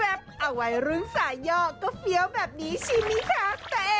เอาไว้รึ้งสายย่อก็เฟี้ยวแบบนี้ชิ้นนี้ค่ะ